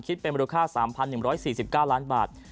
คิดเป็นมูลค่า๓๑๔๙ล้านบาท